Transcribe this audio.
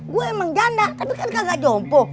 gue emang janda tapi kan kagak jompo